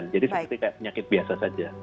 jadi seperti penyakit biasa saja